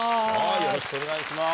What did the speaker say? よろしくお願いします。